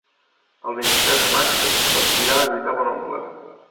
El vint-i-tres de maig en Quixot irà a visitar mon oncle.